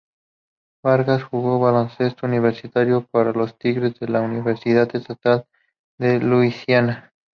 Vargas jugó baloncesto universitario para los Tigers de la Universidad Estatal de Luisiana.